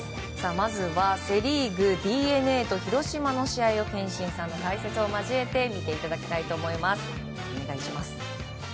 まずは、セ・リーグＤｅＮＡと広島の試合を憲伸さんの解説を交えて見ていきたいと思います。